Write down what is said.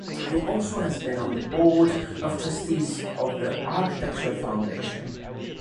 He has also been on the Board of Trustees of the Architecture Foundation.